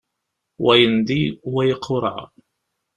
Wa yendi, wa iqureɛ.